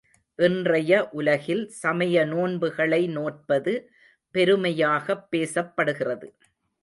இன்றைய உலகில் சமய நோன்புகளை நோற்பது பெருமையாகப் பேசப்படுகிறது.